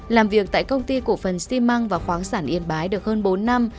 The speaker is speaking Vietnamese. làm việc tại công ty cổ phần xi măng và khoáng sản yên bái được hơn bốn năm